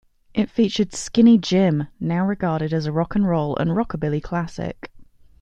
It featured "Skinny Jim", now regarded as a rock-and-roll and rockabilly classic.